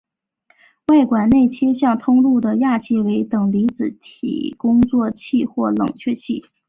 外管内切向通入的氩气为等离子体工作气或冷却气。